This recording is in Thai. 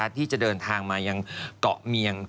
ที่จะเดินทางมายังเกาะเมียง